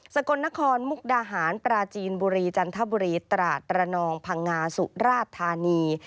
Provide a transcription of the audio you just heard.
กลนครมุกดาหารปราจีนบุรีจันทบุรีตราดระนองพังงาสุราชธานี